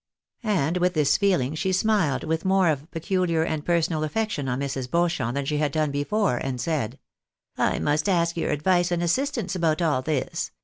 And with this feeling she smiled with more of peculiar and personal affection on Mrs. Beauchamp than she had done before, and said, " I must ask youi advice and assistance about all this.